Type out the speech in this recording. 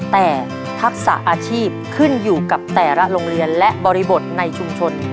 แต่ทักษะอาชีพขึ้นอยู่กับแต่ละโรงเรียนและบริบทในชุมชน